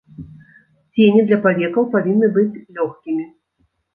Цені для павекаў павінны быць лёгкімі.